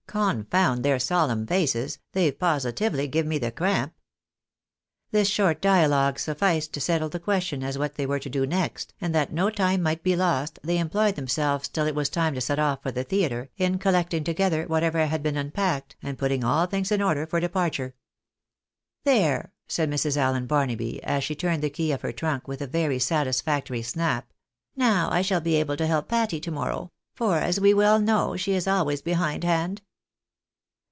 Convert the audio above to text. Confound their solemn faces, they positively give me the cramp." This short dialogue sufficed to settle the question as to what they were to do next, and that no time might be lost, they employed themselves till it was time to set off for the theatre, in collecting together whatever had been unpacked, and putting all things in order for departure. " There !" said Mrs. Allen Barnaby, as she turned the key of her trunk with a very satisfactory snap, " now I shall be able to help Patty to morrow ; for, as we well know, she is always behind hand."